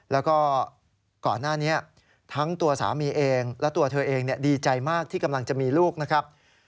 แล้วก็ก่อนหน้านี้ทั้งตัวสามีเองและตัวเธอเองดีใจมากที่กำลังจะมีลูกนะครับ